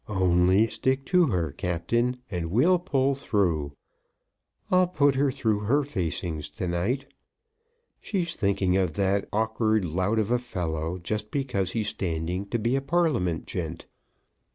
"Only stick to her, Captain, and we'll pull through. I'll put her through her facings to night. She's thinking of that orkard lout of a fellow just because he's standing to be a Parl'ament gent."